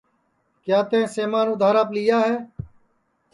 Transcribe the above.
کیا تئیں سمان اُدھاراپ لیا ہے